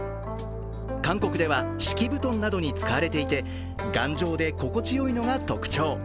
韓国では敷布団などに使われていて、頑丈で心地よいのが特徴。